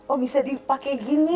oh bisa dipakai gini